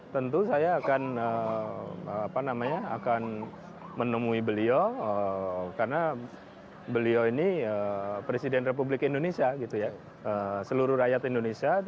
tentu saya akan menemui beliau karena beliau ini presiden republik indonesia seluruh rakyat indonesia